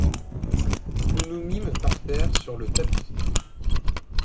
Nous nous mîmes par terre sur le tapis.